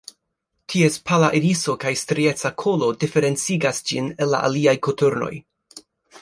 Ties pala iriso kaj strieca kolo diferencigas ĝin el la aliaj koturnoj.